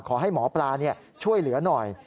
ขอให้หมอปลาช่วยเหลือหน่อย